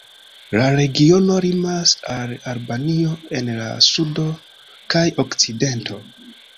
La regiono limas al Albanio en la sudo kaj okcidento.